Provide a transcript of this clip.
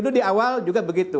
dulu di awal juga begitu